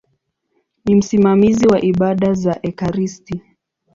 Ni msimamizi wa ibada za ekaristi.